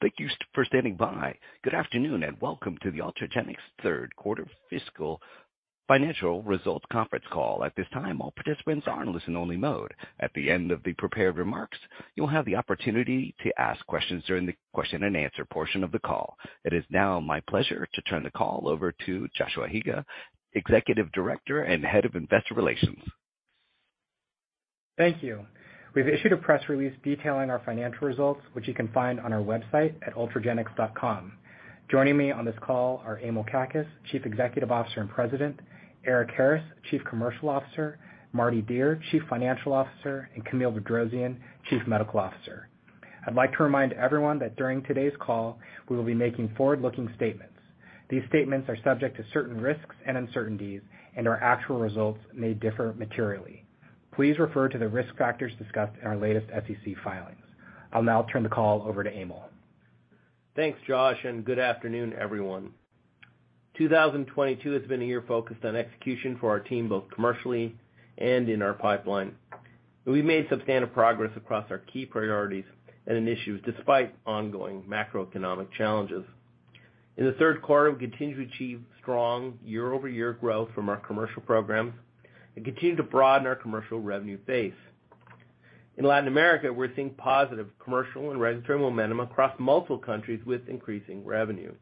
Thank you for standing by. Good afternoon, and welcome to the Ultragenyx Q3 Fiscal Financial Results Conference Call. At this time, all participants are in listen-only mode. At the end of the prepared remarks, you will have the opportunity to ask questions during the question-and-answer portion of the call. It is now my pleasure to turn the call over to Joshua Higa, Executive Director and Head of Investor Relations. Thank you. We've issued a press release detailing our financial results, which you can find on our website at ultragenyx.com. Joining me on this call are Emil Kakkis, Chief Executive Officer and President, Erik Harris, Chief Commercial Officer, Mardi Dier, Chief Financial Officer, and Camille Bedrosian, Chief Medical Officer. I'd like to remind everyone that during today's call, we will be making forward-looking statements. These statements are subject to certain risks and uncertainties, and our actual results may differ materially. Please refer to the risk factors discussed in our latest SEC filings. I'll now turn the call over to Emil. Thanks, Josh, and good afternoon, everyone. 2022 has been a year focused on execution for our team, both commercially and in our pipeline. We've made substantial progress across our key priorities and initiatives despite ongoing macroeconomic challenges. In the Q3, we continued to achieve strong year-over-year growth from our commercial programs and continued to broaden our commercial revenue base. In Latin America, we're seeing positive commercial and registry momentum across multiple countries with increasing revenue.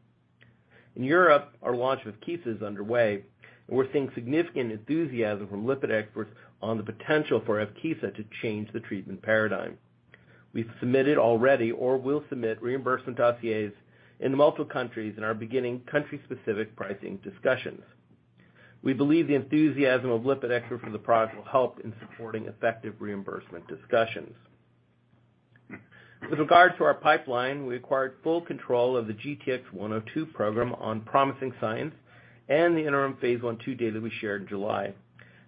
In Europe, our launch of Evkeeza is underway, and we're seeing significant enthusiasm from lipid experts on the potential for Evkeeza to change the treatment paradigm. We've submitted already or will submit reimbursement dossiers in multiple countries and are beginning country-specific pricing discussions. We believe the enthusiasm of lipid experts for the product will help in supporting effective reimbursement discussions. With regard to our pipeline, we acquired full control of the GTX-102 program on promising signs and the interim phase I/II data we shared in July.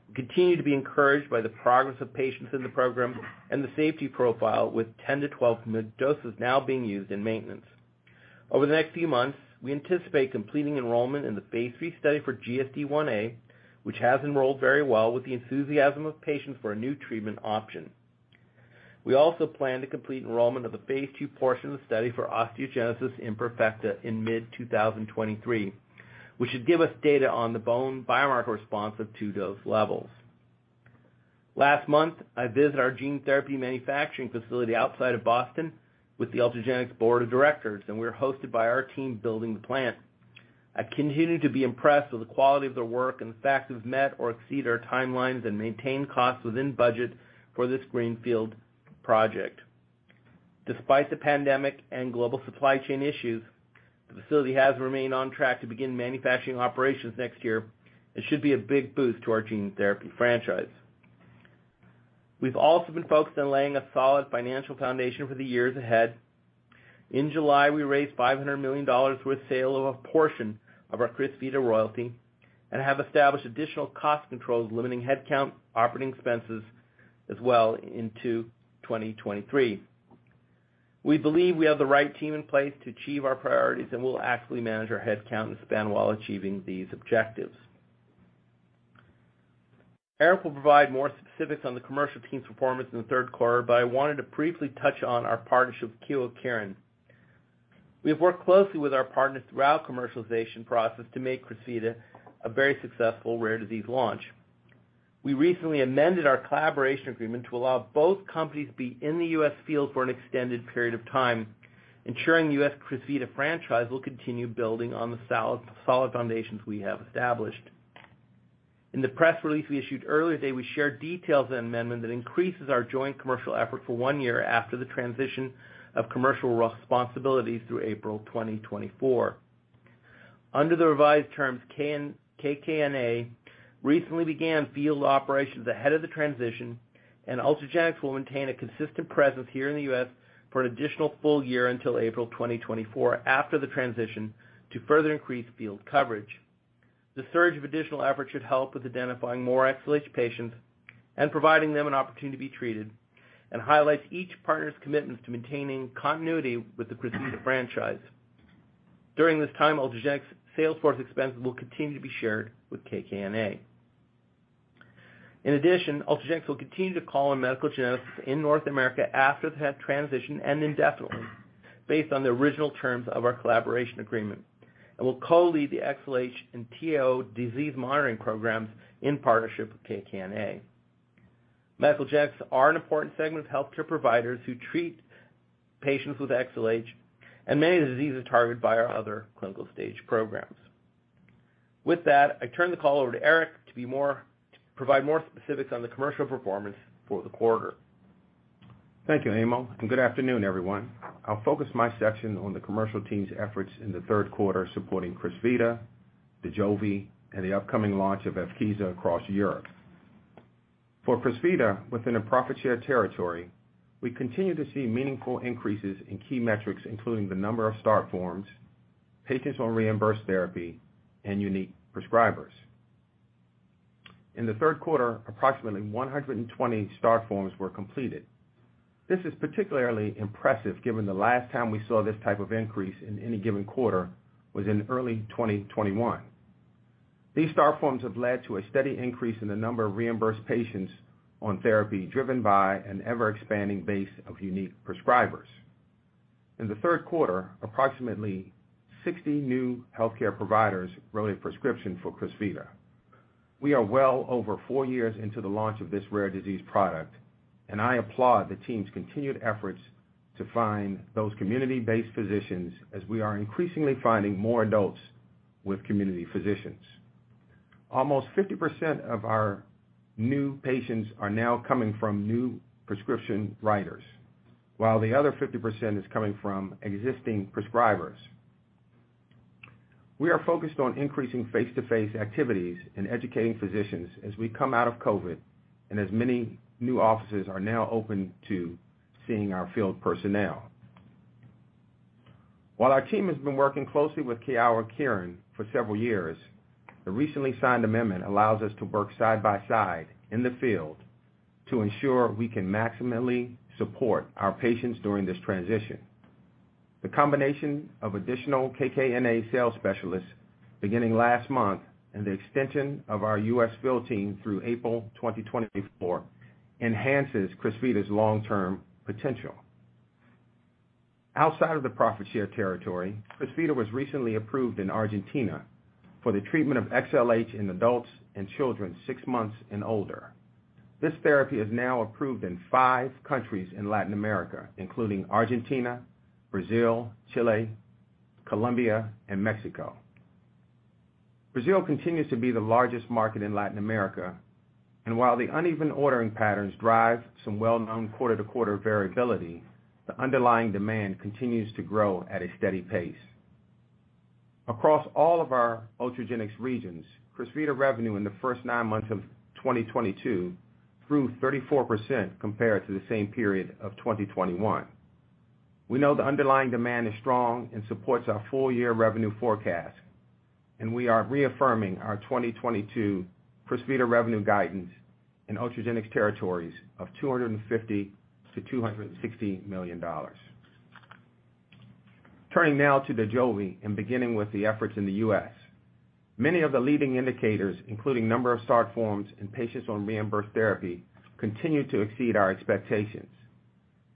We continue to be encouraged by the progress of patients in the program and the safety profile with 10-12 mg doses now being used in maintenance. Over the next few months, we anticipate completing enrollment in the phase III study for GSD1A, which has enrolled very well with the enthusiasm of patients for a new treatment option. We also plan to complete enrollment of the phase II portion of the study for osteogenesis imperfecta in mid-2023, which should give us data on the bone biomarker response of two dose levels. Last month, I visited our gene therapy manufacturing facility outside of Boston with the Ultragenyx Board of Directors, and we were hosted by our team building the plant. I continue to be impressed with the quality of their work and the fact they've met or exceeded our timelines and maintained costs within budget for this greenfield project. Despite the pandemic and global supply chain issues, the facility has remained on track to begin manufacturing operations next year and should be a big boost to our gene therapy franchise. We've also been focused on laying a solid financial foundation for the years ahead. In July, we raised $500 million with sale of a portion of our Crysvita royalty and have established additional cost controls, limiting headcount, operating expenses as well into 2023. We believe we have the right team in place to achieve our priorities, and we'll actively manage our headcount and spend while achieving these objectives. Erik will provide more specifics on the commercial team's performance in the Q3, but I wanted to briefly touch on our partnership with Kyowa Kirin. We have worked closely with our partners throughout commercialization process to make Crysvita a very successful rare disease launch. We recently amended our collaboration agreement to allow both companies to be in the U.S. field for an extended period of time, ensuring the U.S. Crysvita franchise will continue building on the solid foundations we have established. In the press release we issued earlier today, we shared details of the amendment that increases our joint commercial effort for one year after the transition of commercial responsibilities through April 2024. Under the revised terms, KKNA recently began field operations ahead of the transition, and Ultragenyx will maintain a consistent presence here in the U.S. for an additional full year until April 2024 after the transition to further increase field coverage. The surge of additional efforts should help with identifying more XLH patients and providing them an opportunity to be treated, and highlights each partner's commitments to maintaining continuity with the Crysvita franchise. During this time, Ultragenyx sales force expenses will continue to be shared with KKNA. In addition, Ultragenyx will continue to call on medical geneticists in North America after that transition and indefinitely based on the original terms of our collaboration agreement. We'll co-lead the XLH and TIO disease monitoring programs in partnership with KKNA. Medical genetics are an important segment of healthcare providers who treat patients with XLH, and many of the diseases targeted by our other clinical stage programs. With that, I turn the call over to Erik to provide more specifics on the commercial performance for the quarter. Thank you, Emil, and good afternoon, everyone. I'll focus my section on the commercial team's efforts in the Q3, supporting Crysvita, Dojolvi, and the upcoming launch of Evkeeza across Europe. For Crysvita, within a profit share territory, we continue to see meaningful increases in key metrics, including the number of start forms, patients on reimbursed therapy, and unique prescribers. In the Q3, approximately 120 start forms were completed. This is particularly impressive given the last time we saw this type of increase in any given quarter was in early 2021. These start forms have led to a steady increase in the number of reimbursed patients on therapy driven by an ever-expanding base of unique prescribers. In the Q3, approximately 60 new healthcare providers wrote a prescription for Crysvita. We are well over four years into the launch of this rare disease product, and I applaud the team's continued efforts to find those community-based physicians as we are increasingly finding more adults with community physicians. Almost 50% of our new patients are now coming from new prescription writers, while the other 50% is coming from existing prescribers. We are focused on increasing face-to-face activities and educating physicians as we come out of COVID and as many new offices are now open to seeing our field personnel. While our team has been working closely with Kyowa Kirin for several years, the recently signed amendment allows us to work side by side in the field to ensure we can maximally support our patients during this transition. The combination of additional KKNA sales specialists beginning last month and the extension of our US field team through April 2024 enhances Crysvita's long-term potential. Outside of the profit share territory, Crysvita was recently approved in Argentina for the treatment of XLH in adults and children six months and older. This therapy is now approved in five countries in Latin America, including Argentina, Brazil, Chile, Colombia, and Mexico. Brazil continues to be the largest market in Latin America, and while the uneven ordering patterns drive some well-known quarter-to-quarter variability, the underlying demand continues to grow at a steady pace. Across all of our Ultragenyx regions, Crysvita revenue in the first nine months of 2022 grew 34% compared to the same period of 2021. We know the underlying demand is strong and supports our full-year revenue forecast, and we are reaffirming our 2022 Crysvita revenue guidance in Ultragenyx territories of $250 million-$260 million. Turning now to Dojolvi and beginning with the efforts in the U.S. Many of the leading indicators, including number of start forms and patients on reimbursed therapy, continue to exceed our expectations.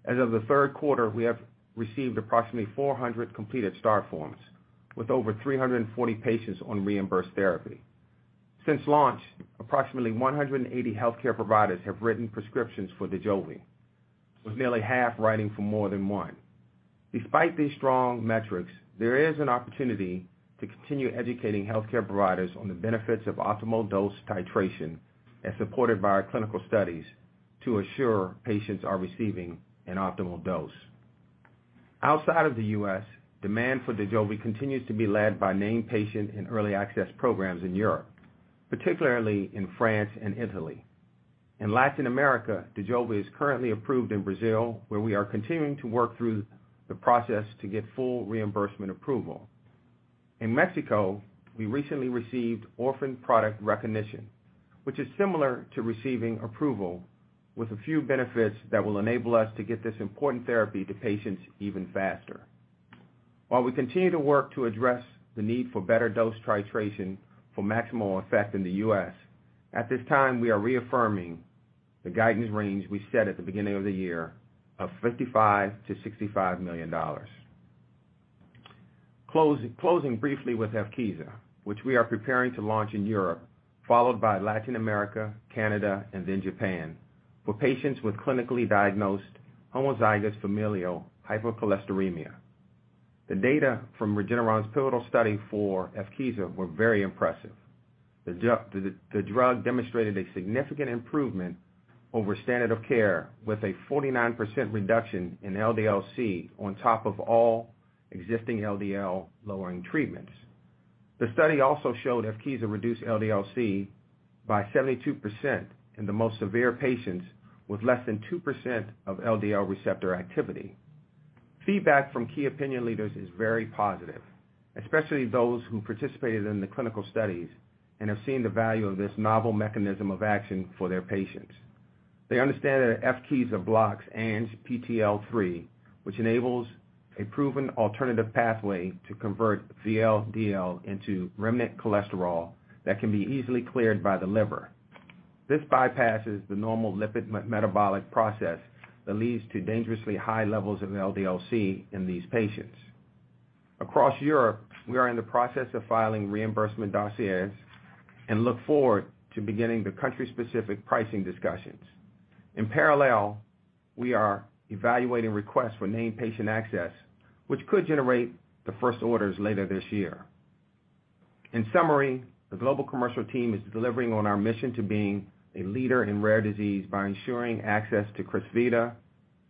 As of the Q3, we have received approximately 400 completed start forms with over 340 patients on reimbursed therapy. Since launch, approximately 180 healthcare providers have written prescriptions for Dojolvi, with nearly half writing for more than one. Despite these strong metrics, there is an opportunity to continue educating healthcare providers on the benefits of optimal dose titration as supported by our clinical studies to assure patients are receiving an optimal dose. Outside of the US, demand for Dojolvi continues to be led by named patient and early access programs in Europe, particularly in France and Italy. In Latin America, Dojolvi is currently approved in Brazil, where we are continuing to work through the process to get full reimbursement approval. In Mexico, we recently received orphan product recognition, which is similar to receiving approval with a few benefits that will enable us to get this important therapy to patients even faster. While we continue to work to address the need for better dose titration for maximal effect in the US, at this time, we are reaffirming the guidance range we set at the beginning of the year of $55 million-$65 million. Closing briefly with Evkeeza, which we are preparing to launch in Europe, followed by Latin America, Canada, and then Japan, for patients with clinically diagnosed homozygous familial hypercholesterolemia. The data from Regeneron's pivotal study for Evkeeza were very impressive. The drug demonstrated a significant improvement over standard of care with a 49% reduction in LDLC on top of all existing LDL-lowering treatments. The study also showed Evkeeza reduced LDLC by 72% in the most severe patients with less than 2% of LDL receptor activity. Feedback from key opinion leaders is very positive, especially those who participated in the clinical studies and have seen the value of this novel mechanism of action for their patients. They understand that Evkeeza blocks ANGPTL3, which enables a proven alternative pathway to convert VLDL into remnant cholesterol that can be easily cleared by the liver. This bypasses the normal lipid metabolic process that leads to dangerously high levels of LDLC in these patients. Across Europe, we are in the process of filing reimbursement dossiers and look forward to beginning the country-specific pricing discussions. In parallel, we are evaluating requests for named patient access, which could generate the first orders later this year. In summary, the global commercial team is delivering on our mission to being a leader in rare disease by ensuring access to Crysvita,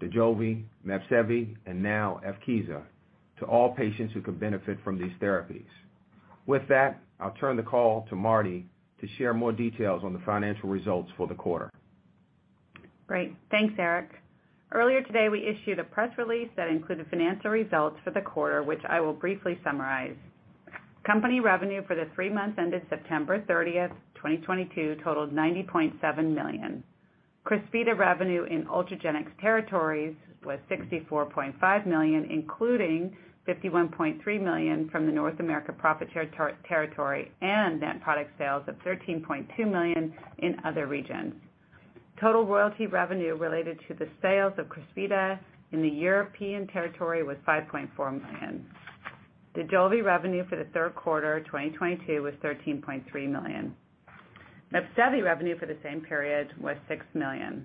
Dojolvi, Mepsevii, and now Evkeeza to all patients who could benefit from these therapies. With that, I'll turn the call to Mardi to share more details on the financial results for the quarter. Great. Thanks, Erik. Earlier today, we issued a press release that included financial results for the quarter, which I will briefly summarize. Company revenue for the three months ended September 30, 2022 totaled $90.7 million. Crysvita revenue in Ultragenyx territories was $64.5 million, including $51.3 million from the North American territory and then product sales of $13.2 million in other regions. Total royalty revenue related to the sales of Crysvita in the European territory was $5.4 million. Dojolvi revenue for the Q3 2022 was $13.3 million. Mepsevii revenue for the same period was $6 million.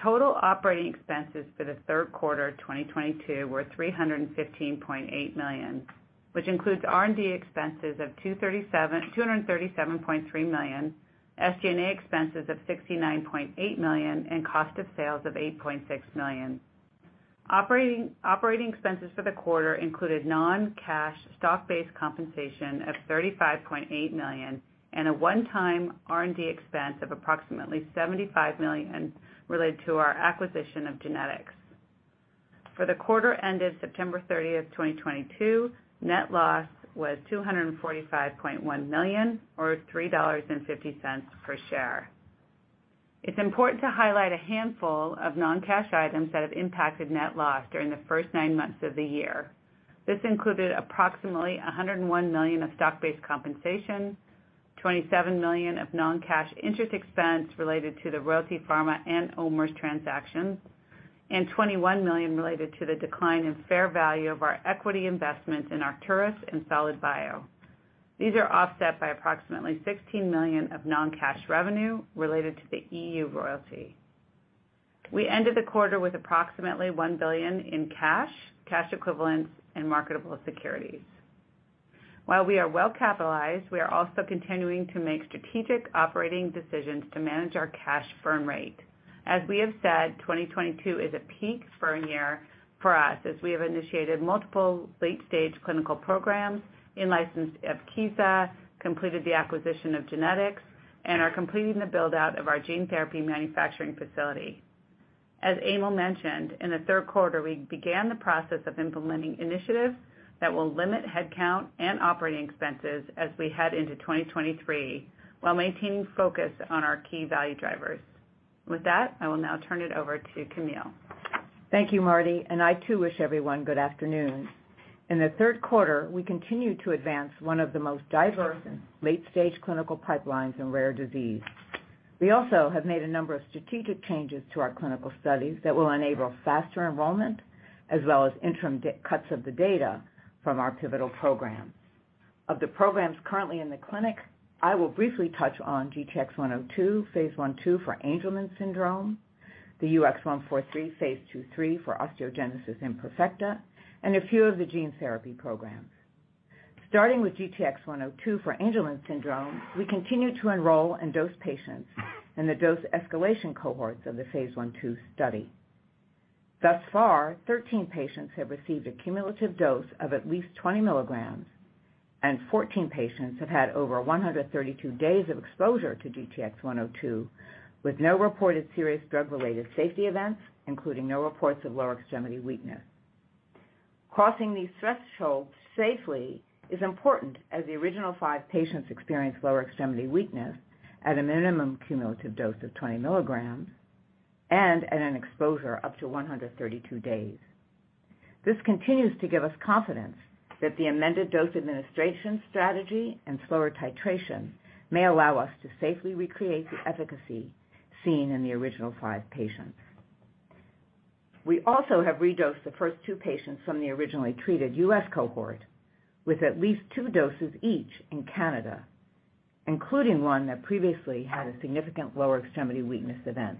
Total operating expenses for the Q3 2022 were $315.8 million, which includes R&D expenses of $237.3 million, SG&A expenses of $69.8 million, and cost of sales of $8.6 million. Operating expenses for the quarter included non-cash stock-based compensation of $35.8 million and a one-time R&D expense of approximately $75 million related to our acquisition of GeneTx. For the quarter ended September 30, 2022, net loss was $245.1 million or $3.50 per share. It's important to highlight a handful of non-cash items that have impacted net loss during the first nine months of the year. This included approximately $101 million of stock-based compensation, $27 million of non-cash interest expense related to the Royalty Pharma and OMERS transactions, and $21 million related to the decline in fair value of our equity investment in Arcturus Therapeutics and Solid Biosciences. These are offset by approximately $16 million of non-cash revenue related to the EU royalty. We ended the quarter with approximately $1 billion in cash equivalents and marketable securities. While we are well capitalized, we are also continuing to make strategic operating decisions to manage our cash burn rate. As we have said, 2022 is a peak burn year for us as we have initiated multiple late-stage clinical programs in licensed Evkeeza, completed the acquisition of GeneTx, and are completing the build-out of our gene therapy manufacturing facility. As Emil mentioned, in the Q3, we began the process of implementing initiatives that will limit headcount and operating expenses as we head into 2023, while maintaining focus on our key value drivers. With that, I will now turn it over to Camille. Thank you, Mardi, and I too wish everyone good afternoon. In the Q3, we continued to advance one of the most diverse and late-stage clinical pipelines in rare disease. We also have made a number of strategic changes to our clinical studies that will enable faster enrollment as well as interim data cuts of the data from our pivotal programs. Of the programs currently in the clinic, I will briefly touch on GTX-102, phase I/II for Angelman syndrome, the UX143, phase II/III for osteogenesis imperfecta, and a few of the gene therapy programs. Starting with GTX-102 for Angelman syndrome, we continue to enroll and dose patients in the dose escalation cohorts of the phase I/II study. Thus far, 13 patients have received a cumulative dose of at least 20 milligrams, and 14 patients have had over 132 days of exposure to GTX-102, with no reported serious drug-related safety events, including no reports of lower extremity weakness. Crossing these thresholds safely is important as the original five patients experienced lower extremity weakness at a minimum cumulative dose of 20 milligrams and at an exposure up to 132 days. This continues to give us confidence that the amended dose administration strategy and slower titration may allow us to safely recreate the efficacy seen in the original 5 patients. We also have redosed the first two patients from the originally treated US cohort with at least two doses each in Canada, including one that previously had a significant lower extremity weakness event.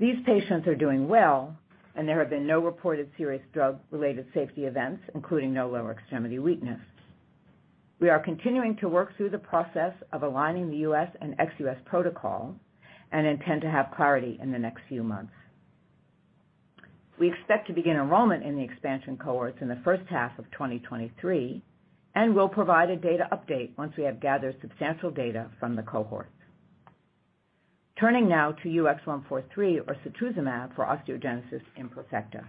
These patients are doing well, and there have been no reported serious drug-related safety events, including no lower extremity weakness. We are continuing to work through the process of aligning the US and ex US protocol and intend to have clarity in the next few months. We expect to begin enrollment in the expansion cohorts in the H1 of 2023, and we'll provide a data update once we have gathered substantial data from the cohorts. Turning now to UX143 or setrusumab for osteogenesis imperfecta.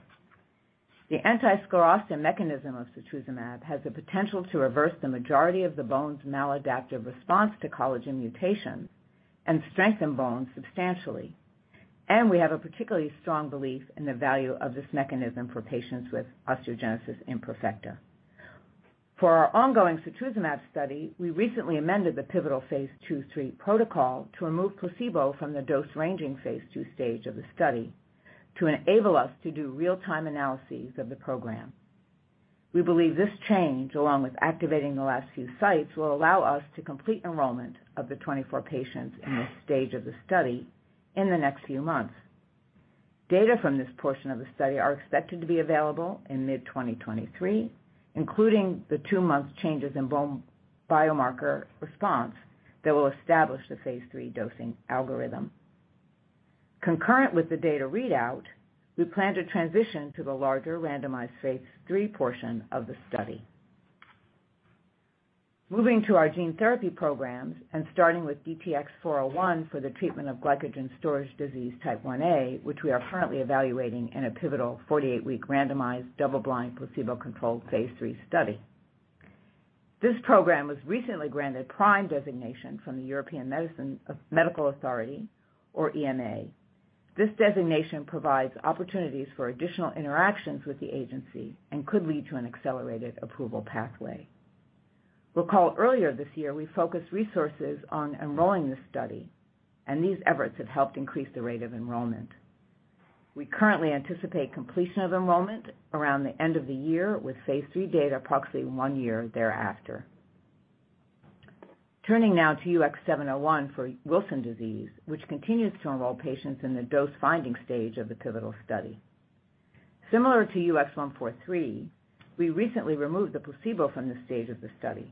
The anti-sclerostin mechanism of setrusumab has the potential to reverse the majority of the bone's maladaptive response to collagen mutations and strengthen bones substantially. We have a particularly strong belief in the value of this mechanism for patients with osteogenesis imperfecta. For our ongoing setrusumab study, we recently amended the pivotal phase II/III protocol to remove placebo from the dose-ranging phase II stage of the study to enable us to do real-time analyses of the program. We believe this change, along with activating the last few sites, will allow us to complete enrollment of the 24 patients in this stage of the study in the next few months. Data from this portion of the study are expected to be available in mid-2023, including the two-month changes in bone biomarker response that will establish the phase III dosing algorithm. Concurrent with the data readout, we plan to transition to the larger randomized phase III portion of the study. Moving to our gene therapy programs and starting with DTX401 for the treatment of glycogen storage disease type Ia, which we are currently evaluating in a pivotal 48-week randomized double-blind placebo-controlled phase III study. This program was recently granted PRIME designation from the European Medicines Agency or EMA. This designation provides opportunities for additional interactions with the agency and could lead to an accelerated approval pathway. Recall earlier this year, we focused resources on enrolling this study, and these efforts have helped increase the rate of enrollment. We currently anticipate completion of enrollment around the end of the year, with phase III data approximately one year thereafter. Turning now to UX701 for Wilson disease, which continues to enroll patients in the dose-finding stage of the pivotal study. Similar to UX143, we recently removed the placebo from this stage of the study.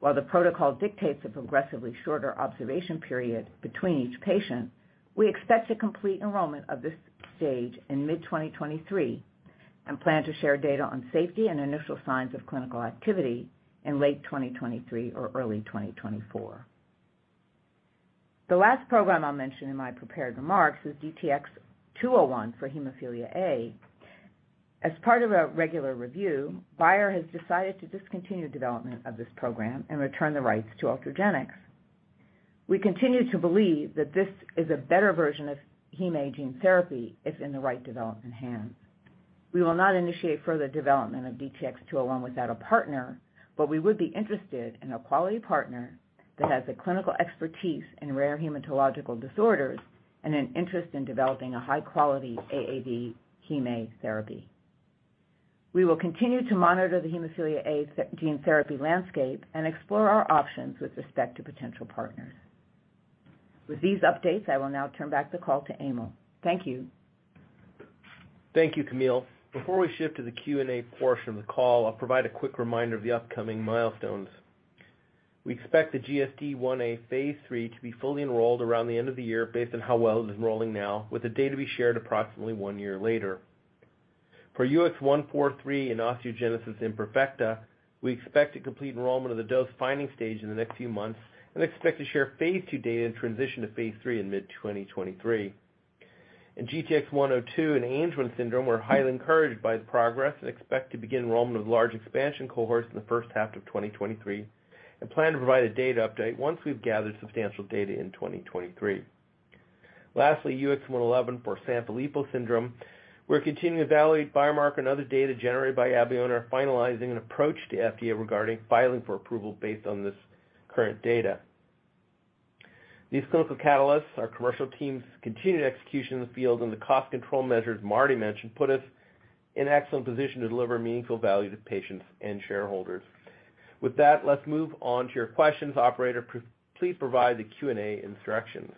While the protocol dictates a progressively shorter observation period between each patient, we expect to complete enrollment of this stage in mid-2023 and plan to share data on safety and initial signs of clinical activity in late 2023 or early 2024. The last program I'll mention in my prepared remarks is DTX201 for hemophilia A. As part of a regular review, Bayer has decided to discontinue development of this program and return the rights to Ultragenyx. We continue to believe that this is a better version of Hem A gene therapy if in the right development hands. We will not initiate further development of DTX201 without a partner, but we would be interested in a quality partner that has the clinical expertise in rare hematological disorders and an interest in developing a high-quality AAV Hem A therapy. We will continue to monitor the hemophilia A gene therapy landscape and explore our options with respect to potential partners. With these updates, I will now turn back the call to Emil. Thank you. Thank you, Camille. Before we shift to the Q&A portion of the call, I'll provide a quick reminder of the upcoming milestones. We expect the GSD1A phase III to be fully enrolled around the end of the year based on how well it is enrolling now, with the data to be shared approximately one year later. For UX143 in osteogenesis imperfecta, we expect to complete enrollment of the dose-finding stage in the next few months and expect to share phase II data and transition to phase III in mid-2023. In GTX102 in Angelman syndrome, we're highly encouraged by the progress and expect to begin enrollment of large expansion cohorts in the H1 of 2023 and plan to provide a data update once we've gathered substantial data in 2023. Lastly, UX111 for Sanfilippo syndrome, we're continuing to evaluate biomarker and other data generated by Abeona and are finalizing an approach to FDA regarding filing for approval based on this current data. These clinical catalysts, our commercial teams' continued execution in the field, and the cost control measures Mardi mentioned put us in excellent position to deliver meaningful value to patients and shareholders. With that, let's move on to your questions. Operator, please provide the Q&A instructions.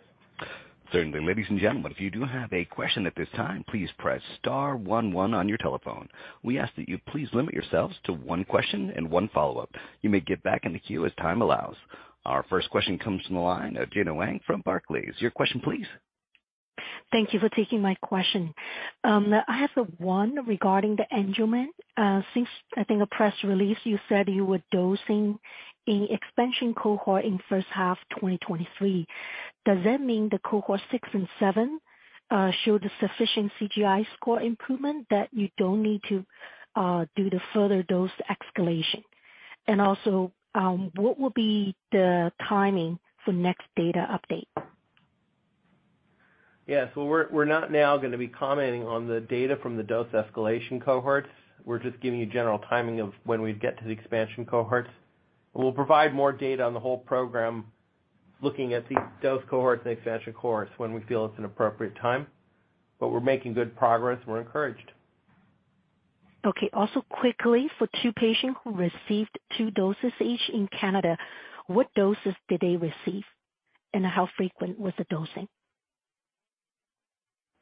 Certainly. Ladies and gentlemen, if you do have a question at this time, please press star one one on your telephone. We ask that you please limit yourselves to one question and one follow-up. You may get back in the queue as time allows. Our first question comes from the line of Gena Wang from Barclays. Your question please. Thank you for taking my question. I have one regarding the Angelman. Since I think a press release, you said you were dosing in expansion cohort in H1 2023. Does that mean the cohort six and seven showed a sufficient CGI score improvement that you don't need to do the further dose escalation? What will be the timing for next data update? Yes. Well, we're not now gonna be commenting on the data from the dose escalation cohorts. We're just giving you general timing of when we'd get to the expansion cohorts. We'll provide more data on the whole program looking at the dose cohorts and expansion cohorts when we feel it's an appropriate time, but we're making good progress. We're encouraged. Okay. Also, quickly for two patients who received two doses each in Canada, what doses did they receive, and how frequent was the dosing?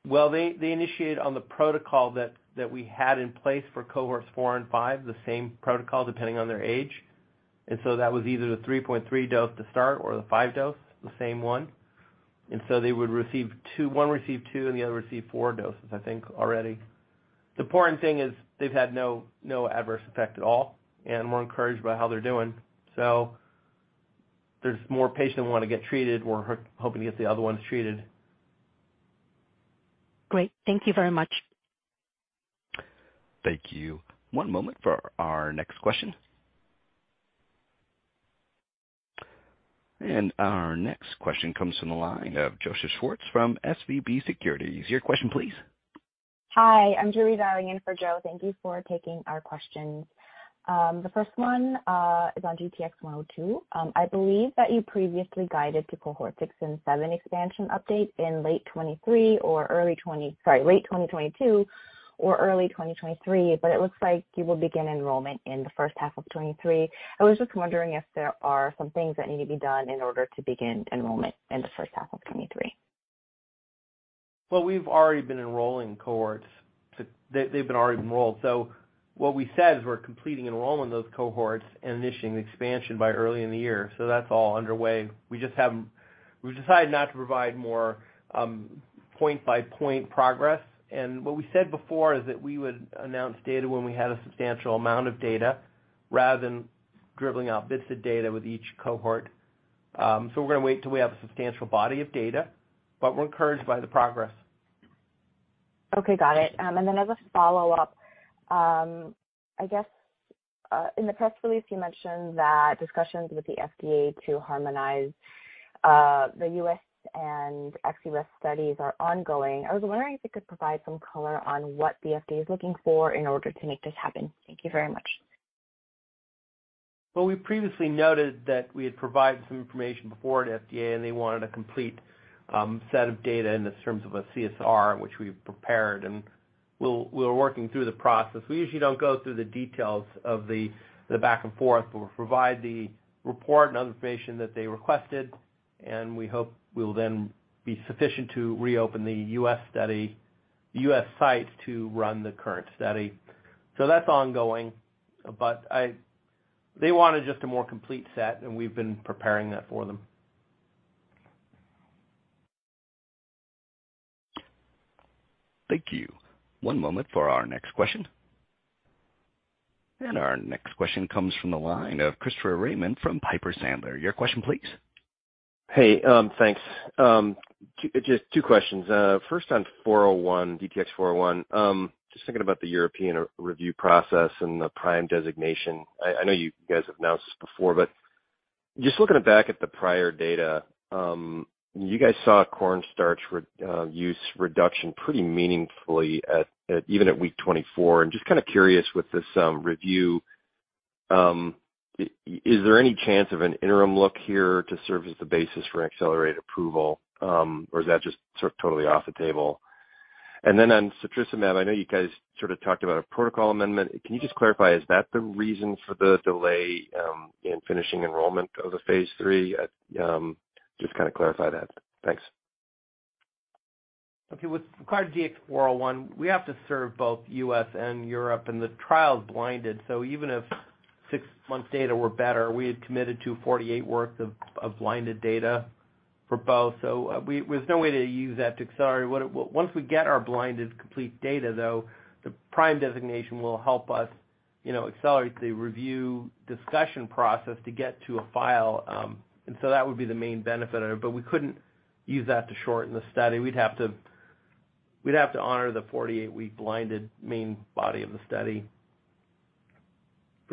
Well, they initiated on the protocol that we had in place for cohorts four and five, the same protocol depending on their age. That was either the 3.3 dose to start or the five dose, the same one. One received two, and the other received four doses, I think, already. The important thing is they've had no adverse effect at all, and we're encouraged by how they're doing. There're more patients that wanna get treated. We're hoping to get the other ones treated. Great. Thank you very much. Thank you. One moment for our next question. Our next question comes from the line of Joseph Schwartz from SVB Securities. Your question please. Hi. I'm Julie Dalian in for Joe. Thank you for taking our questions. The first one is on GTX102. I believe that you previously guided to cohort six and seven expansion update in late 2022 or early 2023, but it looks like you will begin enrollment in the H1 of 2023. I was just wondering if there are some things that need to be done in order to begin enrollment in the H1 of 2023. Well, they've been already enrolled. What we said is we're completing enrollment of those cohorts and initiating the expansion by early in the year. That's all underway. We've decided not to provide more point-by-point progress. What we said before is that we would announce data when we had a substantial amount of data rather than dribbling out bits of data with each cohort. We're gonna wait till we have a substantial body of data, but we're encouraged by the progress. Okay, got it. As a follow-up, I guess, in the press release you mentioned that discussions with the FDA to harmonize the U.S. and ex-U.S. studies are ongoing. I was wondering if you could provide some color on what the FDA is looking for in order to make this happen. Thank you very much. Well, we previously noted that we had provided some information before to FDA, and they wanted a complete set of data in the terms of a CSR, which we've prepared, and we are working through the process. We usually don't go through the details of the back and forth, but we'll provide the report and other information that they requested, and we hope we'll then be sufficient to reopen the US study, US sites to run the current study. That's ongoing. They wanted just a more complete set, and we've been preparing that for them. Thank you. One moment for our next question. Our next question comes from the line of Christopher Raymond from Piper Sandler. Your question please. Hey, thanks. Just two questions. First on DTX-401. Just thinking about the European re-review process and the PRIME designation. I know you guys have announced this before, but just looking back at the prior data, you guys saw corn starch use reduction pretty meaningfully at even week 24. I'm just kind of curious with this review, is there any chance of an interim look here to serve as the basis for an accelerated approval, or is that just sort of totally off the table? Then on setrusumab, I know you guys sort of talked about a protocol amendment. Can you just clarify, is that the reason for the delay in finishing enrollment of the phase III? Just to kind of clarify that. Thanks. Okay. With regard to DTX401, we have to serve both US and Europe, and the trial is blinded. Even if six months data were better, we had committed to 48 week's worth of blinded data for both. There's no way to use that to accelerate. Once we get our blinded complete data, though, the PRIME designation will help us, you know, accelerate the review discussion process to get to a file. That would be the main benefit of it. We couldn't use that to shorten the study. We'd have to honor the 48-week blinded main body of the study.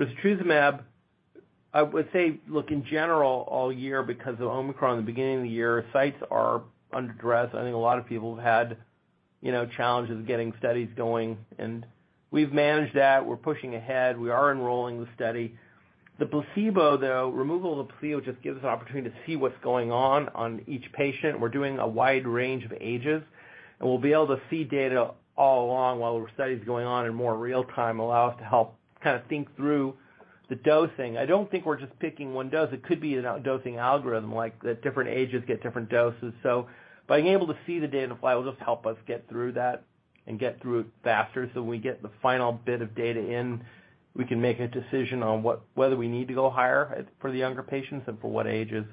For setrusumab, I would say, look, in general, all year, because of Omicron in the beginning of the year, sites are under stress. I think a lot of people have had, you know, challenges getting studies going, and we've managed that. We're pushing ahead. We are enrolling the study. The placebo, though. Removal of the placebo just gives us an opportunity to see what's going on each patient. We're doing a wide range of ages, and we'll be able to see data all along while the study's going on in more real time, allow us to help kind of think through the dosing. I don't think we're just picking one dose. It could be a do-dosing algorithm like that different ages get different doses. Being able to see the data in the file will just help us get through that and get through it faster. When we get the final bit of data in, we can make a decision on whether we need to go higher for the younger patients and for what ages.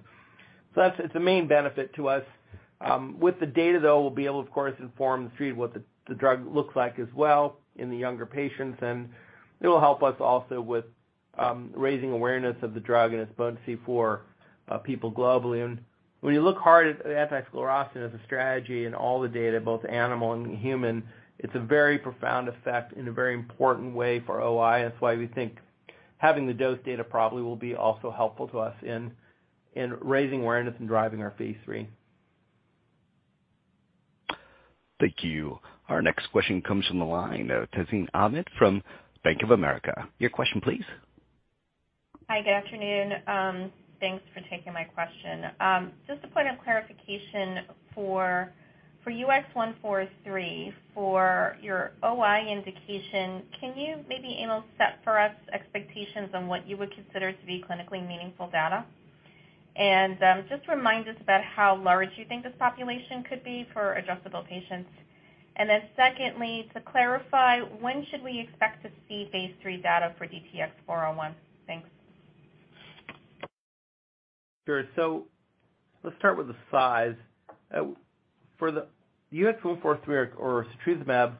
It's a main benefit to us. With the data, though, we'll be able to inform the street what the drug looks like as well in the younger patients. It will help us also with raising awareness of the drug and its potency for people globally. When you look hard at anti-sclerostin as a strategy and all the data, both animal and human, it's a very profound effect in a very important way for OI. That's why we think having the dose data probably will be also helpful to us in raising awareness and driving our phase III. Thank you. Our next question comes from the line of Tazeen Ahmad from Bank of America. Your question please. Hi, good afternoon. Thanks for taking my question. Just a point of clarification for UX143, for your OI indication, can you maybe, Emil Kakkis, set for us expectations on what you would consider to be clinically meaningful data? Just remind us about how large you think this population could be for adult patients. Secondly, to clarify, when should we expect to see phase III data for DTX401? Thanks. Sure. Let's start with the size. For the UX143 or setrusumab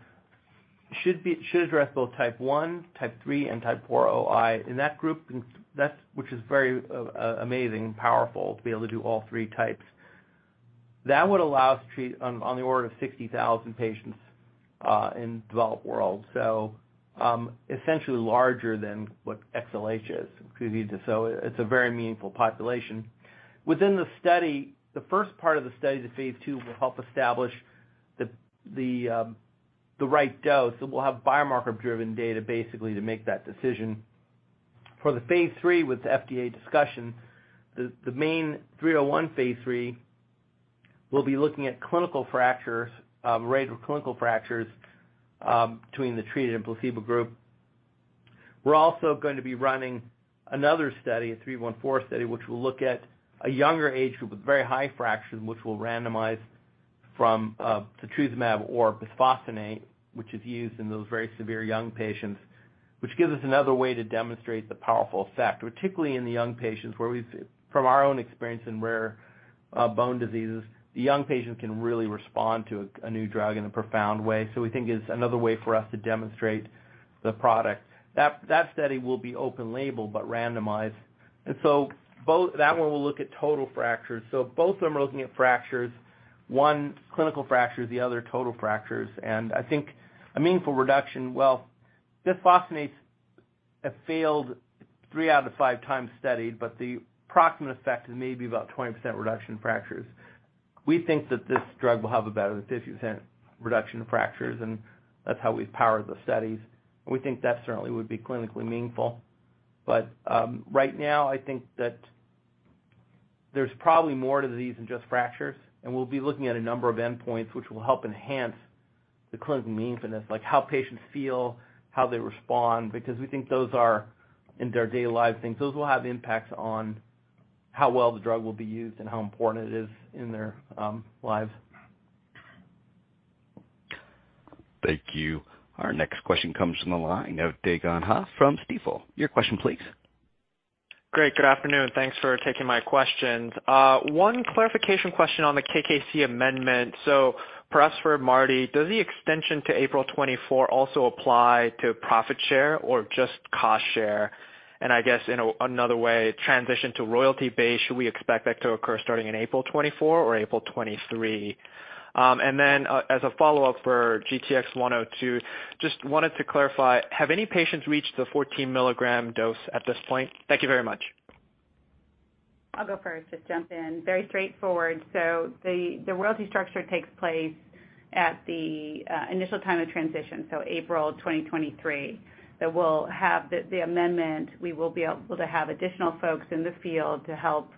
should address both Type I, Type III, and Type IV OI in that group. Which is very amazing and powerful to be able to do all three types. That would allow us to treat on the order of 60,000 patients in developed world. Essentially larger than what XLH is, calcitonin. It's a very meaningful population. Within the study, the first part of the study, the phase II, will help establish the right dose, and we'll have biomarker-driven data basically to make that decision. For the phase III with the FDA discussion, the main 301 phase III will be looking at clinical fractures, rate of clinical fractures, between the treated and placebo group. We're also going to be running another study, a 314 study, which will look at a younger age group with very high fractures, which we'll randomize to setrusumab or bisphosphonate, which is used in those very severe young patients, which gives us another way to demonstrate the powerful effect, particularly in the young patients, where from our own experience in rare bone diseases, the young patients can really respond to a new drug in a profound way. We think it's another way for us to demonstrate the product. That study will be open label but randomized. That one will look at total fractures. Both of them are looking at fractures, one clinical fractures, the other total fractures. Well, bisphosphonates have failed three out of five times studied, but the proximate effect is maybe about 20% reduction in fractures. We think that this drug will have about a 50% reduction in fractures, and that's how we've powered the studies. We think that certainly would be clinically meaningful. Right now, I think that there's probably more to the disease than just fractures, and we'll be looking at a number of endpoints which will help enhance the clinical meaningfulness, like how patients feel, how they respond, because we think those are in their day-to-day life things. Those will have impacts on how well the drug will be used and how important it is in their lives. Thank you. Our next question comes from the line of Dae Gon Ha from Stifel. Your question please. Great. Good afternoon. Thanks for taking my questions. One clarification question on the KKC amendment. So perhaps for Mardi, does the extension to April 2024 also apply to profit share or just cost share? I guess in another way, transition to royalty base, should we expect that to occur starting in April 2024 or April 2023? As a follow-up for GTX-102, just wanted to clarify, have any patients reached the 14-milligram dose at this point? Thank you very much. I'll go first. Just jump in. Very straightforward. The royalty structure takes place at the initial time of transition, so April 2023. That we'll have the amendment. We will be able to have additional folks in the field to help,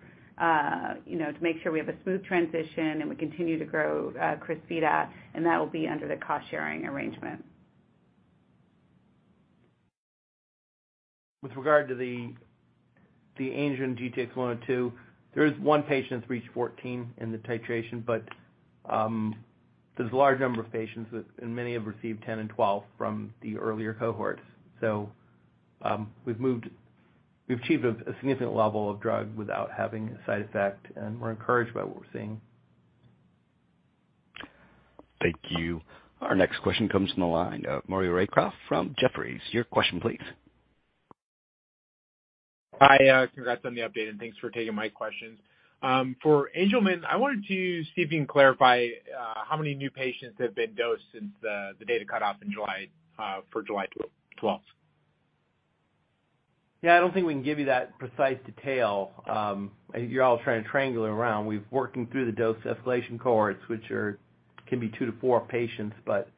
you know, to make sure we have a smooth transition, and we continue to grow Crysvita, and that will be under the cost-sharing arrangement. With regard to the Angelman GTX-102, there is one patient that's reached 14 in the titration, but there's a large number of patients and many have received 10 and 12 from the earlier cohorts. We've achieved a significant level of drug without having a side effect, and we're encouraged by what we're seeing. Thank you. Our next question comes from the line of Maury Raycroft from Jefferies. Your question please. Hi, congrats on the update, and thanks for taking my questions. For Angelman, I wanted to see if you can clarify how many new patients have been dosed since the data cutoff in July for July twelfth. Yeah, I don't think we can give you that precise detail. You're all trying to triangulate it around. We're working through the dose escalation cohorts, which can be two-four patients, but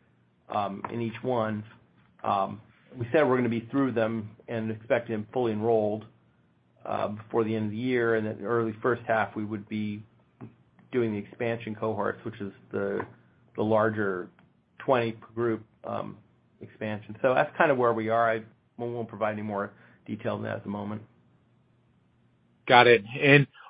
in each one. We said we're gonna be through them and expecting them fully enrolled before the end of the year. Early H1 we would be doing the expansion cohorts, which is the larger 20 group expansion. That's kind of where we are. We won't provide any more detail than that at the moment. Got it.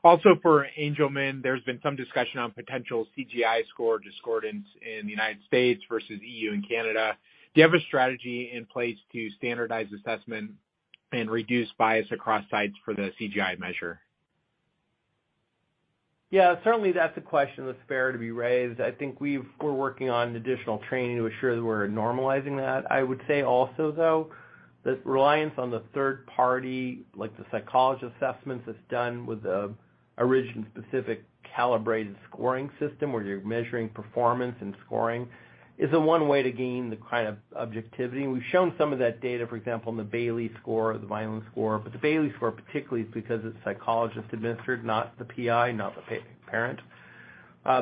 Also for Angelman, there's been some discussion on potential CGI score discordance in the United States versus EU and Canada. Do you have a strategy in place to standardize assessment and reduce bias across sites for the CGI measure? Yeah, certainly that's a question that's fair to be raised. I think we're working on additional training to ensure that we're normalizing that. I would say also, though, that reliance on the third party, like the psychologist assessments that's done with a region-specific calibrated scoring system where you're measuring performance and scoring, is the one way to gain the kind of objectivity. We've shown some of that data, for example, in the Bayley score or the Vineland score. The Bayley score particularly is because it's psychologist administered, not the PI, not the parent. I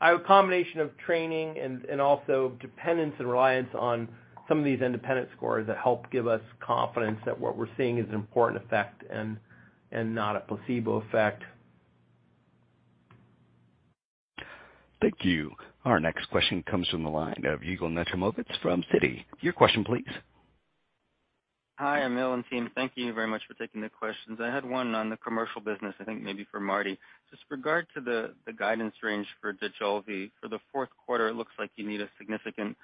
have a combination of training and also dependence and reliance on some of these independent scores that help give us confidence that what we're seeing is an important effect and not a placebo effect. Thank you. Our next question comes from the line of Yigal Nochomovitz from Citi. Your question please. Hi, Emil and team. Thank you very much for taking the questions. I had one on the commercial business, I think maybe for Mardi. Just regarding the guidance range for Dojolvi. For the Q4, it looks like you need a significant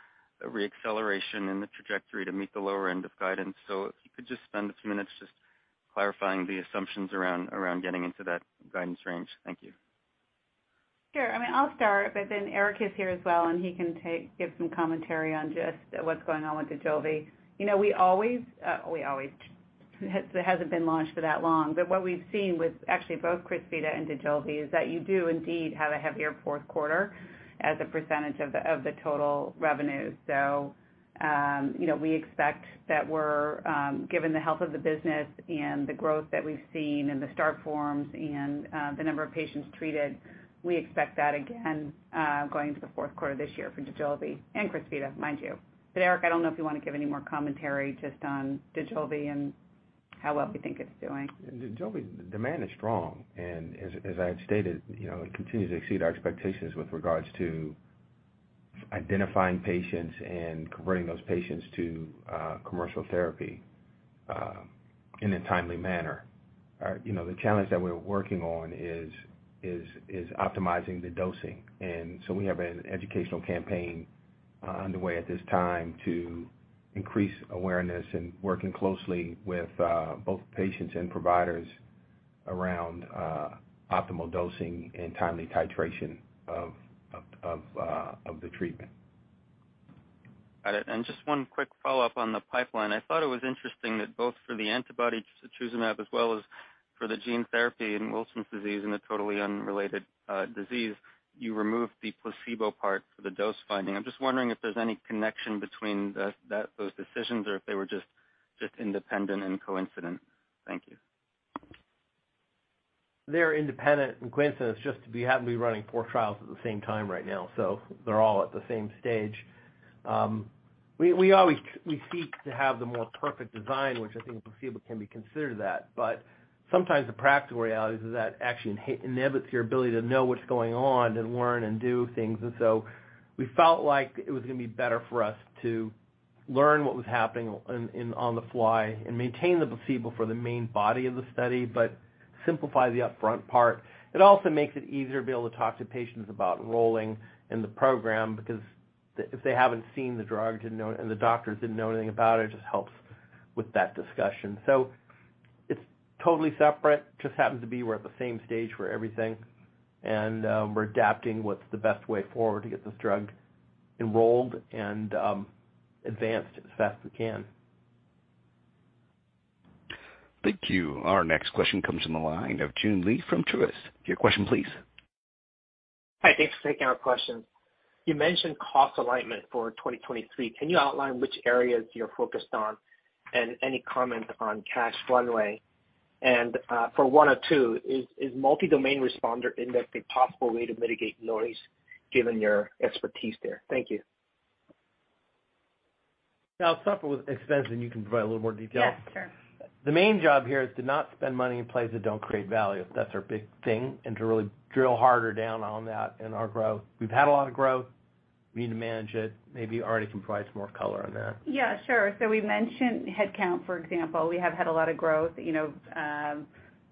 re-acceleration in the trajectory to meet the lower end of guidance. If you could just spend a few minutes just clarifying the assumptions around getting into that guidance range. Thank you. Sure. I mean, I'll start, but then Erik is here as well, and he can give some commentary on just what's going on with Dojolvi. You know, we always it hasn't been launched for that long. What we've seen with actually both Crysvita and Dojolvi is that you do indeed have a heavier Q4 as a percentage of the total revenue. You know, we expect that we're given the health of the business and the growth that we've seen and the start forms and the number of patients treated, we expect that again going into the Q4 this year for Dojolvi and Crysvita, mind you. Erik, I don't know if you wanna give any more commentary just on Dojolvi and how well we think it's doing. Dojolvi, demand is strong, and as I have stated, you know, it continues to exceed our expectations with regards to identifying patients and converting those patients to commercial therapy in a timely manner. You know, the challenge that we're working on is optimizing the dosing. We have an educational campaign underway at this time to increase awareness and working closely with both patients and providers around optimal dosing and timely titration of the treatment. Got it. Just one quick follow-up on the pipeline. I thought it was interesting that both for the antibody setrusumab as well as for the gene therapy in Wilson's disease and the totally unrelated disease, you removed the placebo part for the dose finding. I'm just wondering if there's any connection between those decisions or if they were just independent and coincidental. Thank you. They're independent and coincidental happen to be running four trials at the same time right now. They're all at the same stage. We always seek to have the more perfect design, which I think a placebo can be considered that. Sometimes the practical reality is that actually inhibits your ability to know what's going on and learn and do things. We felt like it was gonna be better for us to learn what was happening on the fly and maintain the placebo for the main body of the study, but simplify the upfront part. It also makes it easier to be able to talk to patients about enrolling in the program, because if they haven't seen the drug and the doctors didn't know anything about it just helps with that discussion. It's totally separate. Just happens to be we're at the same stage for everything, and we're adapting what's the best way forward to get this drug enrolled and advanced as fast as we can. Thank you. Our next question comes from the line of Joon Lee from Truist. Your question please. Hi. Thanks for taking our question. You mentioned cost alignment for 2023. Can you outline which areas you're focused on and any comment on cash runway? For 102, is multi-domain responder index a possible way to mitigate noise given your expertise there? Thank you. I'll start with expense, and you can provide a little more detail. Yes, sure. The main job here is to not spend money in plays that don't create value. That's our big thing, and to really drill harder down on that in our growth. We've had a lot of growth. We need to manage it. Maybe Mardi Dier can provide some more color on that. Yeah, sure. We mentioned headcount, for example. We have had a lot of growth, you know,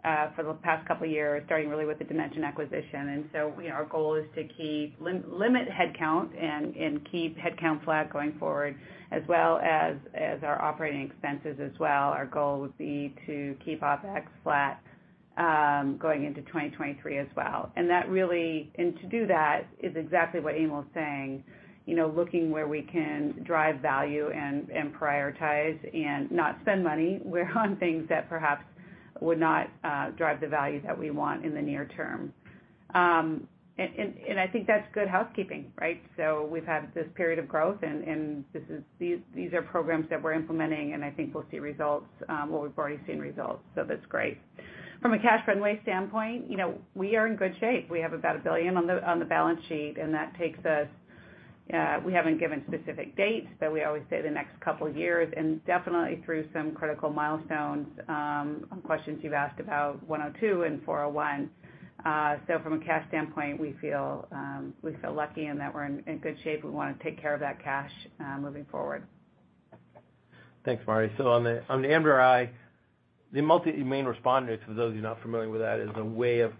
for the past couple of years, starting really with the Dimension acquisition. Our goal is to limit headcount and keep headcount flat going forward as well as our operating expenses as well. Our goal would be to keep OpEx flat going into 2023 as well. To do that is exactly what Emil was saying. You know, looking where we can drive value and prioritize and not spend money where on things that perhaps would not drive the value that we want in the near term. I think that's good housekeeping, right? We've had this period of growth, and these are programs that we're implementing, and I think we'll see results, or we've already seen results. That's great. From a cash runway standpoint, you know, we are in good shape. We have about $1 billion on the balance sheet, and that takes us, we haven't given specific dates, but we always say the next couple of years and definitely through some critical milestones, on questions you've asked about 102 and 401. From a cash standpoint, we feel lucky in that we're in good shape. We wanna take care of that cash, moving forward. Thanks, Mardi. On the MDRI, the multi-domain responders, for those of you not familiar with that, is a way of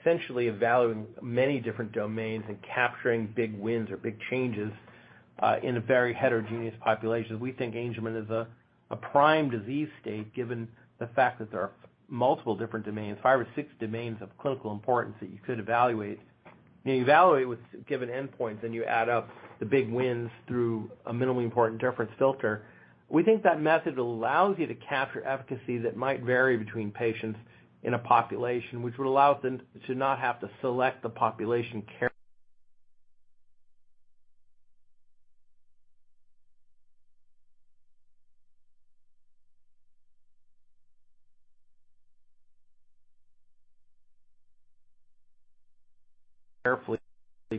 essentially evaluating many different domains and capturing big wins or big changes in a very heterogeneous population. We think Angelman is a prime disease state, given the fact that there are multiple different domains, five or six domains of clinical importance that you could evaluate. You evaluate with given endpoints, and you add up the big wins through a minimally important difference filter. We think that method allows you to capture efficacy that might vary between patients in a population, which would allow us to not have to select the population carefully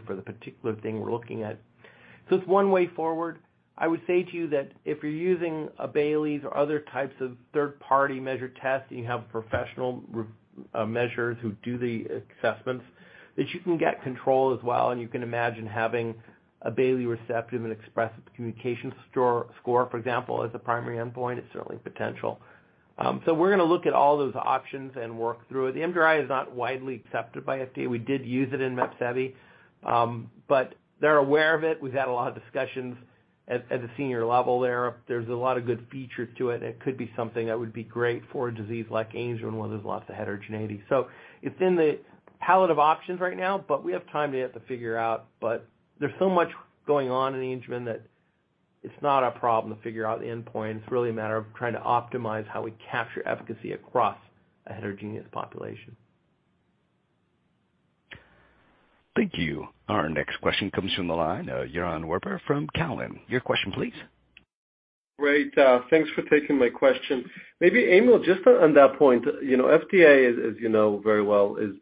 for the particular thing we're looking at. It's one way forward. I would say to you that if you're using a Bayley's or other types of third-party measure tests, and you have professional measures who do the assessments, that you can get control as well, and you can imagine having a Bayley receptive and expressive communication score, for example, as a primary endpoint. It's certainly potential. We're gonna look at all those options and work through it. The MDRI is not widely accepted by FDA. We did use it in Mepsevii. They're aware of it. We've had a lot of discussions at the senior level there. There's a lot of good features to it, and it could be something that would be great for a disease like Angelman where there's lots of heterogeneity. It's in the palette of options right now, but we have time to figure out. There's so much going on in Angelman that it's not a problem to figure out the endpoint. It's really a matter of trying to optimize how we capture efficacy across a heterogeneous population. Thank you. Our next question comes from the line, Yaron Werber from TD Cowen. Your question please. Great. Thanks for taking my question. Maybe Emil, just on that point, you know, FDA, as you know very well is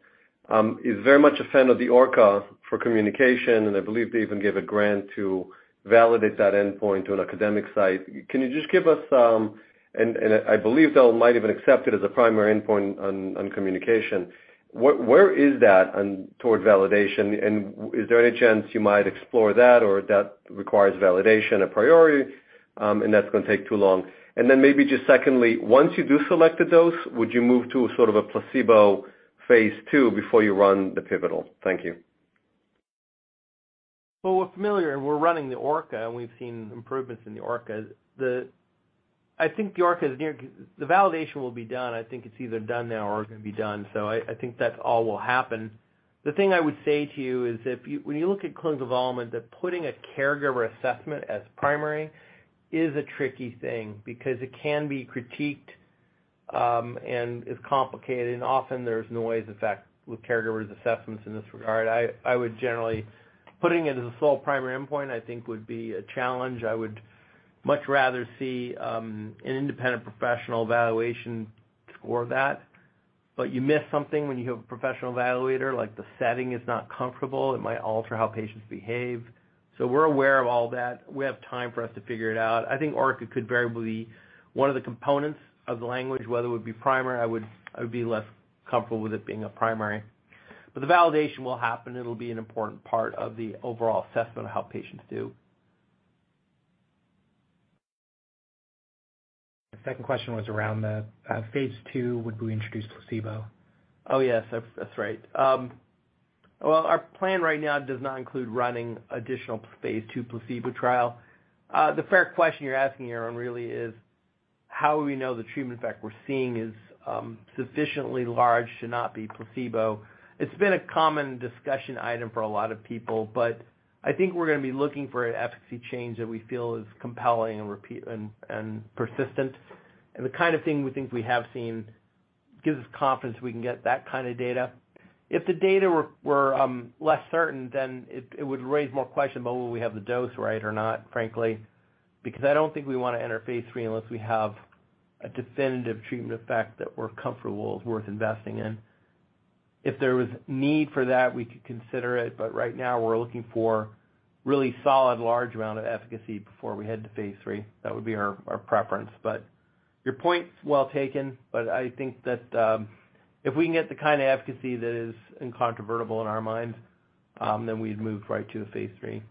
very much a fan of the ORCA for communication, and I believe they even gave a grant to validate that endpoint to an academic site. Can you just give us. And I believe they might even accept it as a primary endpoint on communication. Where is that toward validation? And is there any chance you might explore that or that requires validation as a priority, and that's gonna take too long? Then maybe just secondly, once you do select a dose, would you move to sort of a placebo phase II before you run the pivotal? Thank you. Well, we're familiar and we're running the ORCA, and we've seen improvements in the ORCA. I think the ORCA is near. The validation will be done. I think it's either done now or is going to be done, so I think that all will happen. The thing I would say to you is when you look at clinical development, that putting a caregiver assessment as primary is a tricky thing because it can be critiqued and is complicated, and often there's noise, in fact, with caregivers assessments in this regard. I would generally putting it as a sole primary endpoint, I think would be a challenge. I would much rather see an independent professional evaluation score that. But you miss something when you have a professional evaluator, like the setting is not comfortable. It might alter how patients behave. We're aware of all that. We have time for us to figure it out. I think ORCA could very well be one of the components of the language, whether it would be primary. I would be less comfortable with it being a primary. But the validation will happen. It'll be an important part of the overall assessment of how patients do. The second question was around the phase II, would we introduce placebo? Yes. That's right. Well, our plan right now does not include running additional phase II placebo trial. The fair question you're asking, Yaron Werber, really is how do we know the treatment effect we're seeing is sufficiently large to not be placebo? It's been a common discussion item for a lot of people, but I think we're gonna be looking for an efficacy change that we feel is compelling and persistent. The kind of thing we think we have seen gives us confidence we can get that kind of data. If the data were less certain, then it would raise more questions about whether we have the dose right or not, frankly, because I don't think we wanna enter phase III unless we have a definitive treatment effect that we're comfortable is worth investing in. If there was need for that, we could consider it, but right now we're looking for really solid, large amount of efficacy before we head to phase III. That would be our preference. Your point's well taken, but I think that, if we can get the kind of efficacy that is incontrovertible in our minds, then we'd move right to the phase III.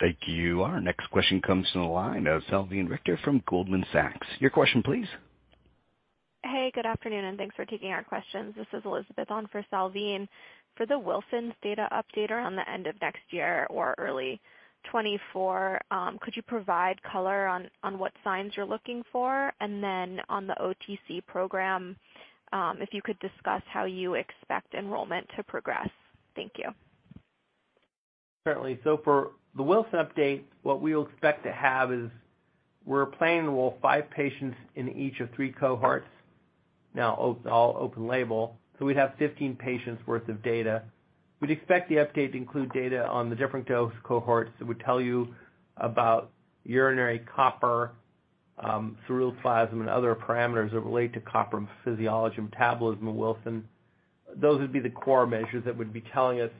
Thank you. Our next question comes from the line of Salveen Richter from Goldman Sachs. Your question, please. Hey, good afternoon, and thanks for taking our questions. This is Elizabeth on for Salveen. For the Wilson's data update around the end of next year or early 2024, could you provide color on what signs you're looking for? On the OTC program, if you could discuss how you expect enrollment to progress. Thank you. Certainly. For the Wilson update, what we'll expect to have is we're planning to enroll five patients in each of three cohorts, now all open label, so we'd have 15 patients worth of data. We'd expect the update to include data on the different dose cohorts that would tell you about urinary copper, ceruloplasmin, and other parameters that relate to copper physiology, metabolism in Wilson. Those would be the core measures that would be telling us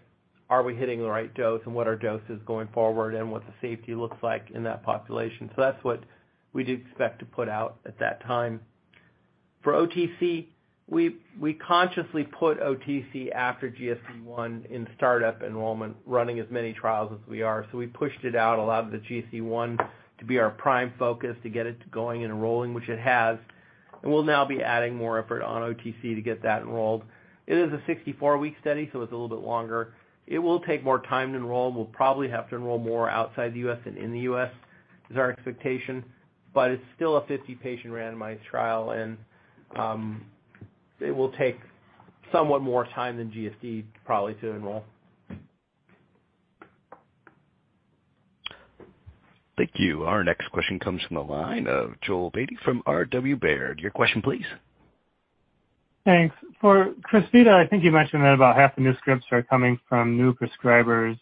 are we hitting the right dose and what our dose is going forward and what the safety looks like in that population. That's what we'd expect to put out at that time. For OTC, we consciously put OTC after GSD1a in startup enrollment, running as many trials as we are. We pushed it out, allowed the GSD one to be our prime focus to get it going and enrolling, which it has. We'll now be adding more effort on OTC to get that enrolled. It is a 64-week study, so it's a little bit longer. It will take more time to enroll, and we'll probably have to enroll more outside the U.S. than in the U.S. is our expectation. It's still a 50-patient randomized trial and it will take somewhat more time than GSD probably to enroll. Thank you. Our next question comes from the line of Joel Beatty from R. W. Baird. Your question, please. Thanks. For Crysvita, I think you mentioned that about half the new scripts are coming from new prescribers.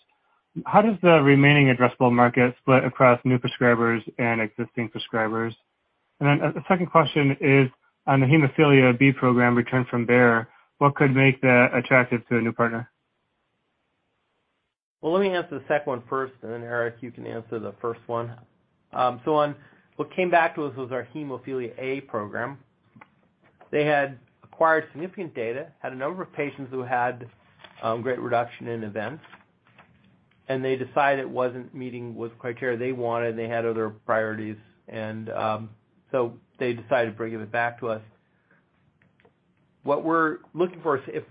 How does the remaining addressable market split across new prescribers and existing prescribers? A second question is on the hemophilia B program returned from Bayer. What could make that attractive to a new partner? Well, let me answer the second one first, and then Erik, you can answer the first one. On what came back to us was our hemophilia A program. They had acquired significant data, had a number of patients who had great reduction in events, and they decided it wasn't meeting with criteria they wanted, and they had other priorities. They decided to bring it back to us. What we're looking for is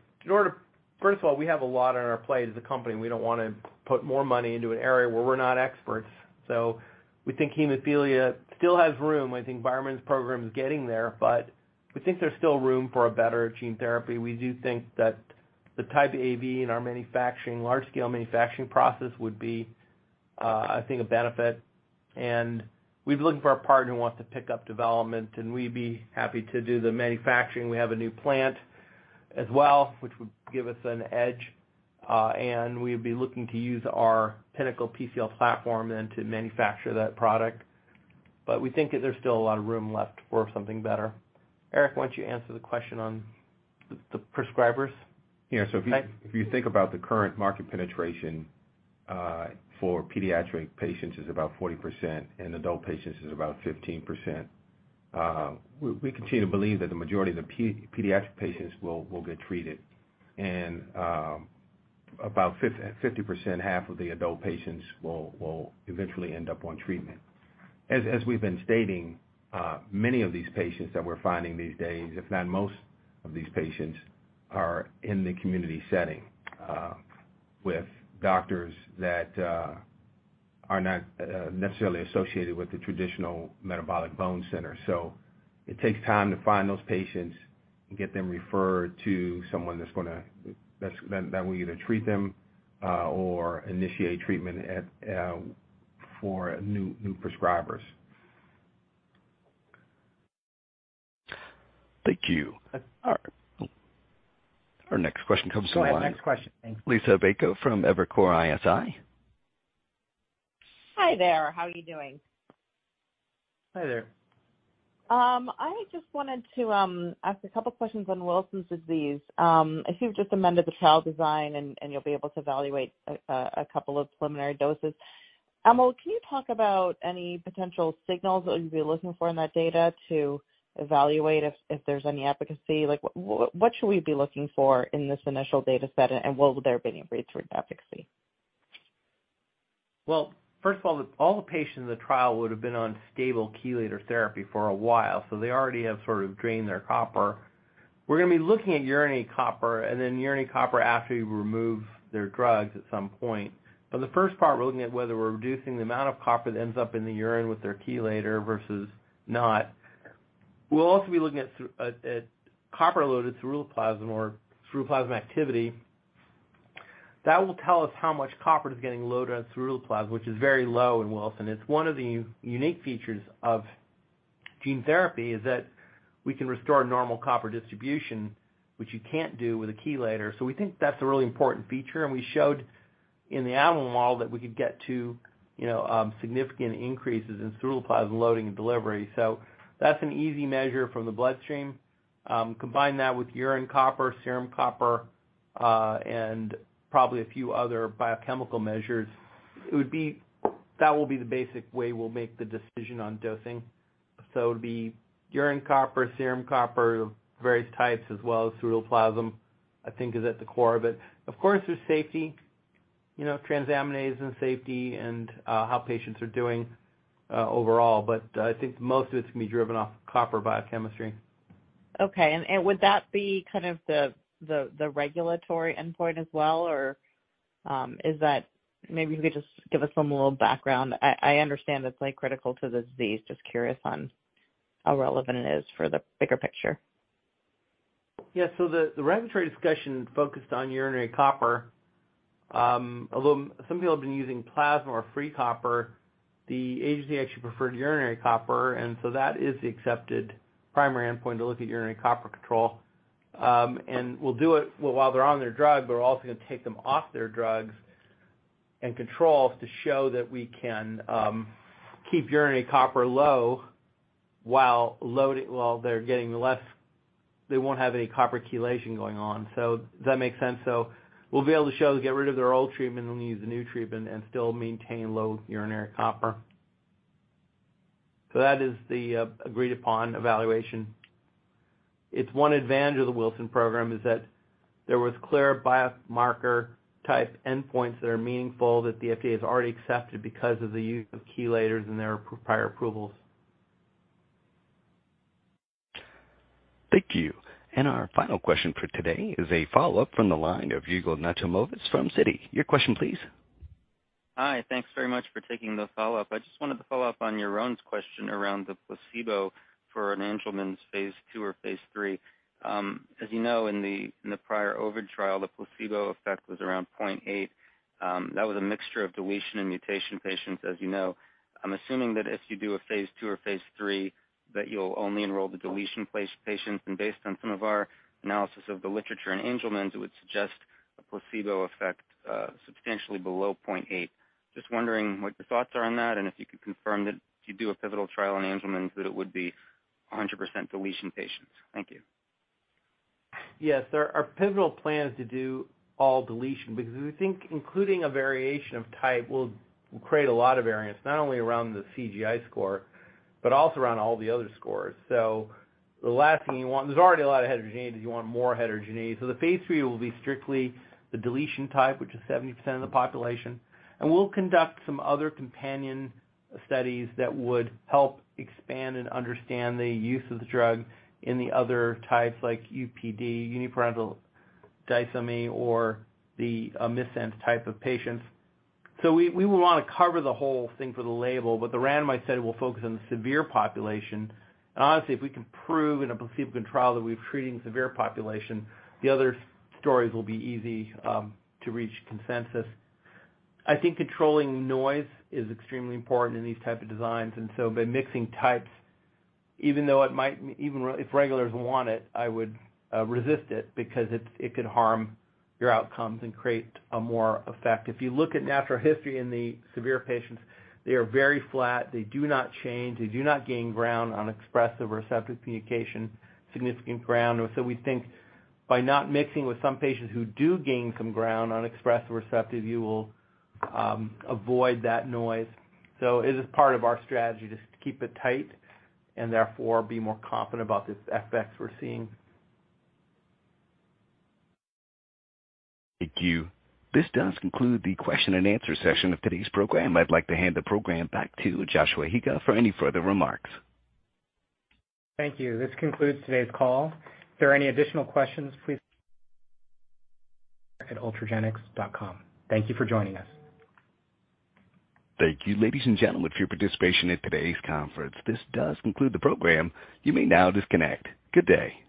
first of all, we have a lot on our plate as a company, and we don't wanna put more money into an area where we're not experts. We think hemophilia still has room. We think BioMarin program is getting there, but we think there's still room for a better gene therapy. We do think that the capability in our manufacturing, large scale manufacturing process would be, I think a benefit. We'd be looking for a partner who wants to pick up development, and we'd be happy to do the manufacturing. We have a new plant as well, which would give us an edge. We'd be looking to use our Pinnacle PCL platform then to manufacture that product. We think that there's still a lot of room left for something better. Erik, why don't you answer the question on the prescribers? If you think about the current market penetration for pediatric patients is about 40% and adult patients is about 15%. We continue to believe that the majority of the pediatric patients will get treated. About 50%, half of the adult patients will eventually end up on treatment. As we've been stating, many of these patients that we're finding these days, if not most of these patients, are in the community setting. With doctors that are not necessarily associated with the traditional metabolic bone center. It takes time to find those patients and get them referred to someone that will either treat them or initiate treatment for new prescribers. Thank you. All right. Our next question comes from the line. Go ahead, next question. Thank you. Liisa Bayko from Evercore ISI. Hi there. How are you doing? Hi there. I just wanted to ask a couple questions on Wilson disease. I see you've just amended the trial design, and you'll be able to evaluate a couple of preliminary doses. Can you talk about any potential signals that you'll be looking for in that data to evaluate if there's any efficacy? Like, what should we be looking for in this initial data set, and will there be any breakthrough in efficacy? Well, first of all the patients in the trial would have been on stable chelator therapy for a while, so they already have sort of drained their copper. We're gonna be looking at urinary copper and then urinary copper after you remove their drugs at some point. The first part, we're looking at whether we're reducing the amount of copper that ends up in the urine with their chelator versus not. We'll also be looking at copper-loaded ceruloplasmin or ceruloplasmin activity. That will tell us how much copper is getting loaded on ceruloplasmin, which is very low in Wilson. It's one of the unique features of gene therapy is that we can restore normal copper distribution, which you can't do with a chelator. We think that's a really important feature. We showed in the animal model that we could get to, you know, significant increases in ceruloplasmin loading and delivery. So that's an easy measure from the bloodstream. Combine that with urine copper, serum copper, and probably a few other biochemical measures. That will be the basic way we'll make the decision on dosing. So, it'll be urine copper, serum copper of various types, as well as ceruloplasmin, I think is at the core of it. Of course, there's safety, you know, transaminase and safety and, how patients are doing, overall, but I think most of its gonna be driven off copper biochemistry. Okay. Would that be kind of the regulatory endpoint as well? Or, is that? Maybe you could just give us some little background. I understand it's, like, critical to the disease. Just curious on how relevant it is for the bigger picture. Yeah. The regulatory discussion focused on urinary copper. Although some people have been using plasma or free copper, the agency actually preferred urinary copper, and that is the accepted primary endpoint to look at urinary copper control. We'll do it while they're on their drug, but we're also gonna take them off their drugs and controls to show that we can keep urinary copper low while they're getting less, they won't have any copper chelation going on. Does that make sense? We'll be able to show to get rid of their old treatment and then use the new treatment and still maintain low urinary copper. That is the agreed upon evaluation. It's one advantage of the Wilson program is that there were clear biomarker-type endpoints that are meaningful that the FDA has already accepted because of the use of chelators in their prior approvals. Thank you. Our final question for today is a follow-up from the line of Yigal Dov Nochomovitz from Citi. Your question please. Hi. Thanks very much for taking the follow-up. I just wanted to follow up on your own question around the placebo for an Angelman's phase II or phase III. As you know, in the prior Ovid trial, the placebo effect was around 0.8. That was a mixture of deletion and mutation patients, as you know. I'm assuming that if you do a phase II or phase III, that you'll only enroll the deletion patients. Based on some of our analysis of the literature in Angelman's, it would suggest a placebo effect substantially below 0.8. Just wondering what your thoughts are on that, and if you could confirm that if you do a pivotal trial on Angelman's, that it would be 100% deletion patients. Thank you. Yes. Our pivotal plan is to do all deletion because we think including a variation of type will create a lot of variances, not only around the CGI score, but also around all the other scores. The last thing you want. There's already a lot of heterogeneity. Do you want more heterogeneity? The phase III will be strictly the deletion type, which is 70% of the population. We'll conduct some other companion studies that would help expand and understand the use of the drug in the other types like UPD, uniparental disomy, or the missense type of patients. We will wanna cover the whole thing for the label, but the randomized study will focus on the severe population. Honestly, if we can prove in a placebo-controlled that we're treating severe population, the other stories will be easy to reach consensus. I think controlling noise is extremely important in these types of designs, and by mixing types, even though it might, even if regulators want it, I will resist it because it's, it could harm your outcomes and create a more effect. If you look at natural history in the severe patients, they are very flat. They do not change. They do not gain ground on expressive or receptive communication, significant ground. We think by not mixing with some patients who do gain some ground on expressive or receptive, you will avoid that noise. It is part of our strategy just to keep it tight and therefore be more confident about the effects we're seeing. Thank you. This does conclude the question and answer session of today's program. I'd like to hand the program back to Joshua Higa for any further remarks. Thank you. This concludes today's call. If there are any additional questions, please at Ultragenyx.com. Thank you for joining us. Thank you, ladies and gentlemen, for your participation in today's conference. This does conclude the program. You may now disconnect. Good day.